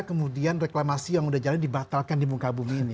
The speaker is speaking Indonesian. kemudian reklamasi yang sudah jalan dibatalkan di muka bumi ini